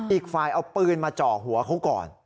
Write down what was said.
อีกฝ่ายเอาปืนมาเจาะหัวเขาก่อน